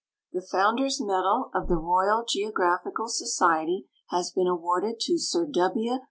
The Founders' medal of the Royal Geographical Society has been awarded to Sir W.